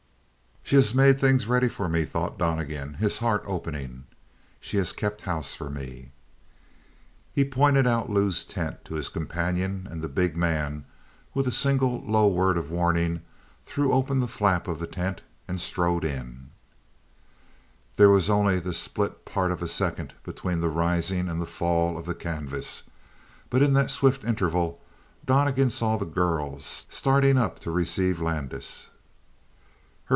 "She has made things ready for me," thought Donnegan, his heart opening. "She has kept house for me!" He pointed out Lou's tent to his companion and the big man, with a single low word of warning, threw open the flap of the tent and strode in. There was only the split part of a second between the rising and the fall of the canvas, but in that swift interval, Donnegan saw the girl starting up to receive Landis.